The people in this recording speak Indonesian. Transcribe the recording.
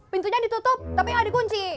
pintunya ditutup tapi nggak dikunci